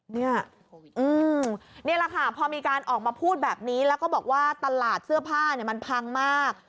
นี่แหละค่ะพอมีการออกมาพูดแบบนี้แล้วก็บอกว่าตลาดเสื้อผ้าเนี่ยมันพังมาก